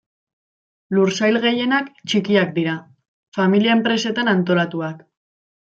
Lursail gehienak txikiak dira, familia enpresetan antolatuak.